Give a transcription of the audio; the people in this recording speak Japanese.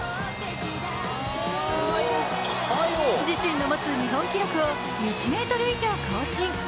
自身の持つ日本記録を１ｍ以上更新。